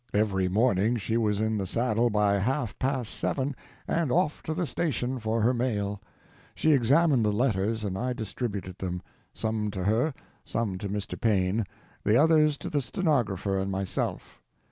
Every morning she was in the saddle by half past seven, and off to the station for her mail. She examined the letters and I distributed them: some to her, some to Mr. Paine, the others to the stenographer and myself.